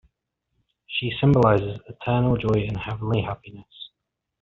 She symbolizes eternal joy and heavenly happiness.